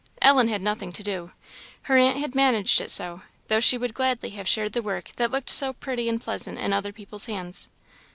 Ellen had nothing to do: her aunt had managed it so, though she would gladly have shared the work that looked so pretty and pleasant in other people's hands.